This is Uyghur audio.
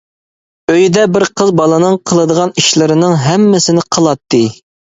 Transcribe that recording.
ئۆيىدە بىر قىز بالىنىڭ قىلىدىغان ئىشلىرىنىڭ ھەممىسىنى قىلاتتى.